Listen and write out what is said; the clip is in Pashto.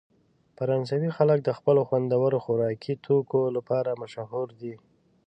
فرانسوي خلک د خپلو خوندورو خوراکي توکو لپاره مشهوره دي.